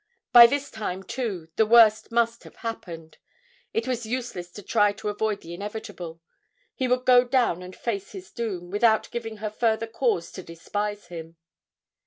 By this time too the worst must have happened; it was useless to try to avoid the inevitable; he would go down and face his doom, without giving her further cause to despise him.